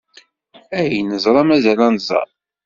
Ay neẓra, mazal ad nẓer!